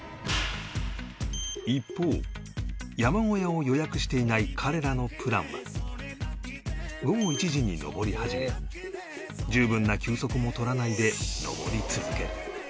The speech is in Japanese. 一方山小屋を予約していない彼らのプランは午後１時に登り始め十分な休息も取らないで登り続ける